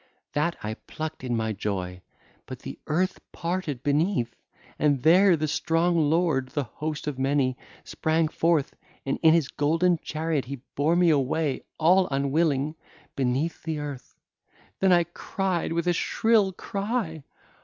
That I plucked in my joy; but the earth parted beneath, and there the strong lord, the Host of Many, sprang forth and in his golden chariot he bore me away, all unwilling, beneath the earth: then I cried with a shrill cry.